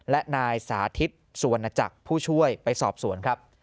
และนายสาธิตสุวรรณจักรผู้ช่วยไปสอบสวนครับ